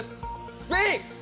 スペイン。